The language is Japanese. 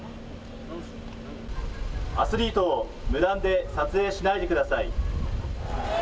アスリートを無断で撮影しないでください。